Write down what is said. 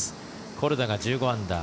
コルダが１５アンダー。